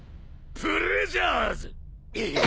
プレジャーズ！